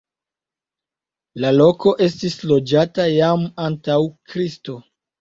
La loko estis loĝata jam antaŭ Kristo.